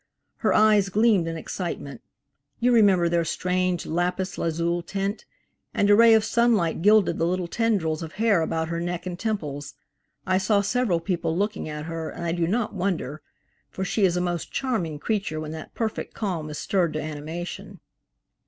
Her eyes gleamed in excitement–you remember their strange lapis lazuli tint–and a ray of sunlight gilded the little tendrils of hair about her neck and temples. I saw several people looking at her, and I do not wonder; for she is a most charming creature when that perfect calm is stirred to animation.